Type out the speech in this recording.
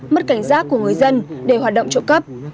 mất cảnh giác của người dân để hoạt động trộm cắp